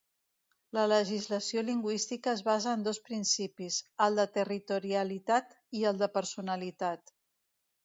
La legislació lingüística es basa en dos principis: el de territorialitat i el de personalitat.